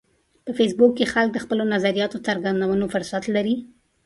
په فېسبوک کې خلک د خپلو نظریاتو د څرګندولو فرصت لري